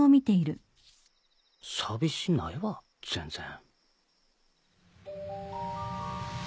寂しないわ全然。